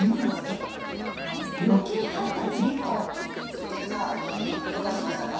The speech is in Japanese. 淳之介さんどうかしましたか？